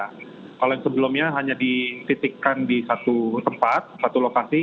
kalau yang sebelumnya hanya dititikkan di satu tempat satu lokasi